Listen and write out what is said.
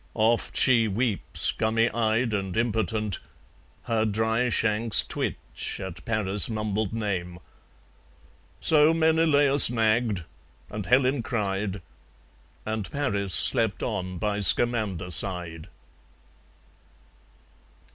Oft she weeps, gummy eyed and impotent; Her dry shanks twitch at Paris' mumbled name. So Menelaus nagged; and Helen cried; And Paris slept on by Scamander side.